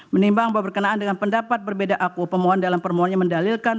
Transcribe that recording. menimbang bahwa berkenaan dengan pendapat berbeda aku pemohon dalam permohonannya mendalilkan